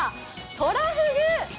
トラフグ！